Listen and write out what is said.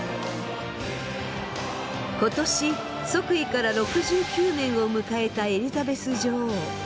今年即位から６９年を迎えたエリザベス女王。